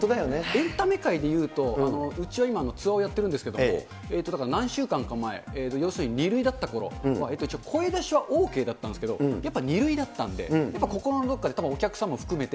エンタメ界でいうと、うちは今、ツアーをやってるんですけれども、だから何週間か前、要するに２類だったころ、声出しはＯＫだったんですけど、やっぱ２類だったんで、やっぱり心のどこかでお客さんも含めて。